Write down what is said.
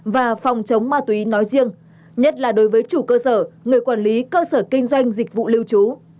và phòng chống ma túy nói riêng nhất là đối với chủ cơ sở người quản lý cơ sở kinh doanh dịch vụ lưu trú